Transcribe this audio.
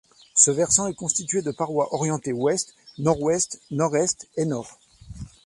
Ce versant est constitué de parois orientées ouest, nord-ouest, nord-est et nord.